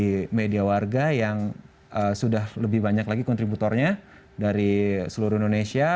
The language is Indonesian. jadi media warga yang sudah lebih banyak lagi kontributornya dari seluruh indonesia